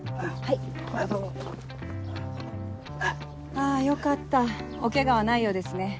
あぁよかったおケガはないようですね。